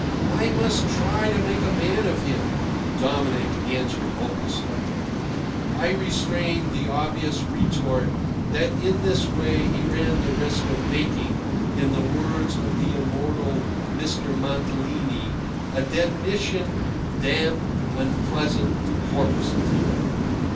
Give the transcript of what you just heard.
"I must try to make a man of him," Dominic answered hopelessly. I restrained the obvious retort that in this way he ran the risk of making, in the words of the immortal Mr. Mantalini, "a demnition damp, unpleasant corpse of him."